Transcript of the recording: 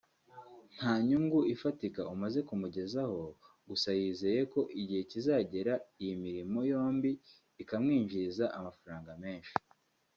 nta nyungu ifatika umaze kumugezaho gusa yizeye ko igihe kizagera iyi mirimo yombi ikamwinjiriza amafaranga menshi